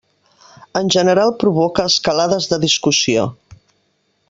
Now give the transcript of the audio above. En general provoca escalades de discussió.